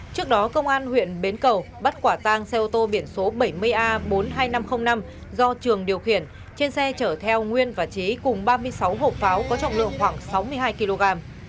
trước đó công an huyện bến cầu bắt quả tang xe ô tô biển số bảy mươi a bốn mươi hai nghìn năm trăm linh năm do trường điều khiển trên xe chở theo nguyên và trí cùng ba mươi sáu hộp pháo có trọng lượng khoảng sáu mươi hai kg